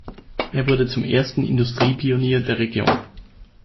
Er wurde zum ersten Industriepionier der Region.